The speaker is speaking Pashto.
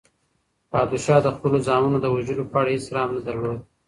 پادشاه د خپلو زامنو د وژلو په اړه هیڅ رحم نه درلود.